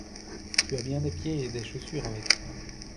Tu as bien des pieds, et des chaussures avec.